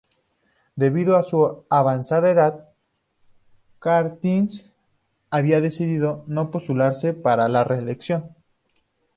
Debido a su avanzada edad, Carstens había decidido no postularse para la reelección.